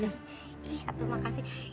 ih apa makasih